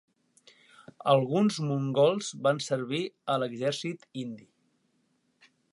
Alguns mongols van servir a l'exèrcit indi.